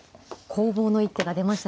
攻防の一手が出ましたね